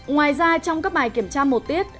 ngoài ra trong các bài kiểm tra một tiết